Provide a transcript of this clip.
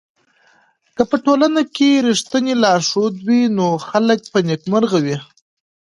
که په ټولنه کي رښتينی لارښود وي نو خلګ به نېکمرغه وي.